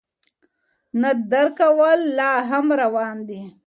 نه درک کول لا هم روان دي.